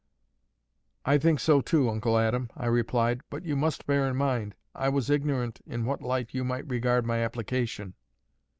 "I think so too, Uncle Adam," I replied; "but you must bear in mind I was ignorant in what light you might regard my application."